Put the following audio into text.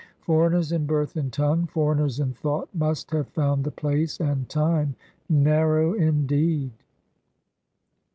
Foreigners in birth and tongue, foreigners in thought, must have found the place and time narrow indeed.